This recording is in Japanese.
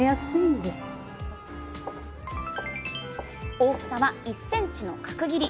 大きさは１ｃｍの角切り。